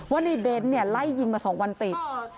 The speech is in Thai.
ว่าในเบ้นไล่ยิงมา๒วันติด